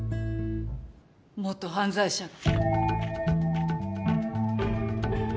元犯罪者が。